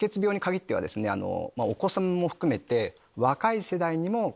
お子さまも含めて。